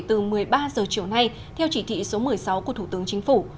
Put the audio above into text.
từ một mươi ba h chiều nay theo chỉ thị số một mươi sáu của thủ tướng chính phủ